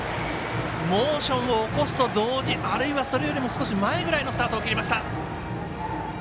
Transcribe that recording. モーションを起こすと同時あるいは少し前ぐらいのスタートを切りました。